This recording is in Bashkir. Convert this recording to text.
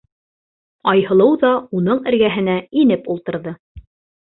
Айһылыу ҙа уның эргәһенә инеп ултырҙы.